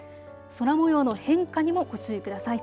空もようの変化にもご注意ください。